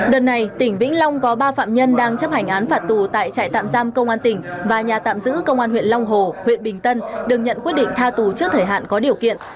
đợt này tỉnh vĩnh long có ba phạm nhân đang chấp hành án phạt tù tại trại tạm giam công an tỉnh và nhà tạm giữ công an huyện long hồ huyện bình tân được nhận quyết định tha tù trước thời hạn có điều kiện